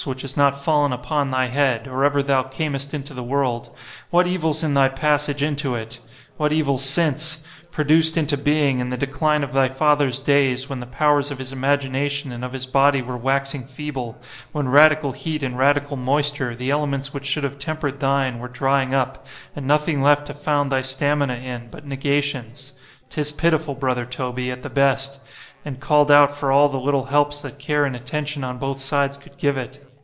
which has not fallen upon thy head, or ever thou camest into the world——what evils in thy passage into it!——what evils since!——produced into being, in the decline of thy father's days——when the powers of his imagination and of his body were waxing feeble——when radical heat and radical moisture, the elements which should have temper'd thine, were drying up; and nothing left to found thy stamina in, but negations—'tis pitiful——brother Toby, at the best, and called out for all the little helps that care and attention on both sides could give it.